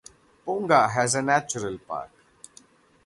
Ponga has a natural park.